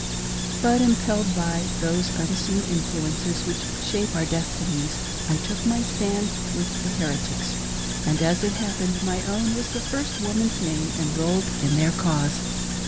But, impelled by those unseen influences which shape our destinies, I took my stand with the " here tics ;" and, as it happened, my own was the first woman's name enrolled in their cause.